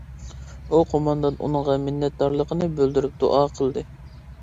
ئۇ قوماندان ئۇنىڭغا مىننەتدارلىقىنى بىلدۈرۈپ دۇئا قىلدى.